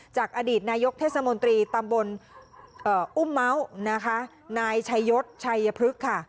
จากอดีตนายกเทศมนตรีตำบลอุ้มเมาส์นะคะนายชัยยศชัยพฤกษ์ค่ะ